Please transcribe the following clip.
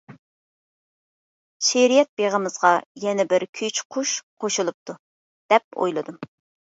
«شېئىرىيەت بېغىمىزغا يەنە بىر كۈيچى قۇش قوشۇلۇپتۇ» دەپ ئويلىدىم.